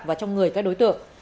và trong người các đối tượng